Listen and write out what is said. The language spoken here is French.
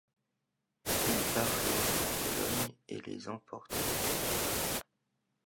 Il part alors en Pologne et les emporte avec lui.